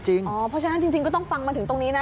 เพราะฉะนั้นจริงก็ต้องฟังมาถึงตรงนี้นะ